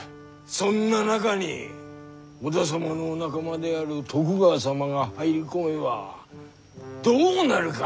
そんな中に織田様のお仲間である徳川様が入り込めばどうなるか。